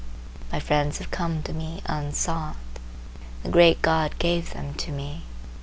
My friends have come to me unsought. The great God gave them to me.